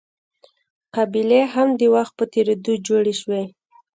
قبیلې هم د وخت په تېرېدو جوړې شوې.